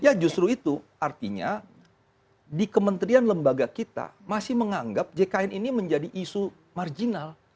ya justru itu artinya di kementerian lembaga kita masih menganggap jkn ini menjadi isu marginal